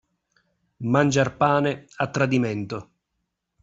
Mangiar pane a tradimento.